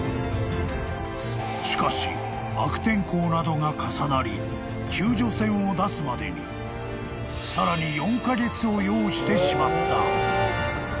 ［しかし悪天候などが重なり救助船を出すまでにさらに４カ月を要してしまった］